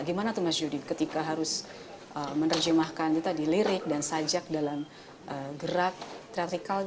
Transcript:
gimana tuh mas yudi ketika harus menerjemahkan kita di lirik dan sajak dalam gerak teorical